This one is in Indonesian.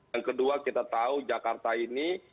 yang kedua kita tahu jakarta ini